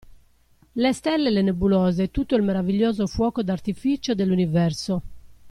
Le stelle e le nebulose tutto il meraviglioso fuoco d'artificio dell'universo.